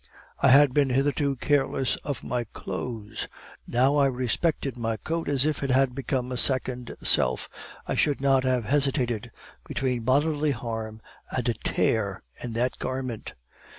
I had been hitherto careless of my clothes, now I respected my coat as if it had been a second self. I should not have hesitated between bodily harm and a tear in that garment.